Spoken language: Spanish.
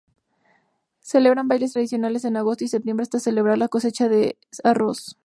Celebran bailes tradicionales en agosto y septiembre para celebrar la cosecha de arroz.